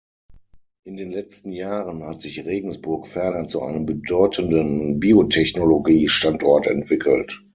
In den letzten Jahren hat sich Regensburg ferner zu einem bedeutenden Biotechnologie-Standort entwickelt.